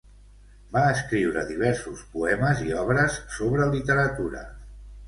Va escriure diversos poemes i obres sobre literatura.